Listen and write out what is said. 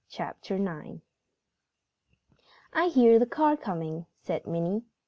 CHAPTER IX "I hear the car coming," said Minnie.